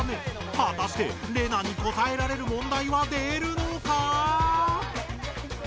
はたしてレナに答えられる問題は出るのか！？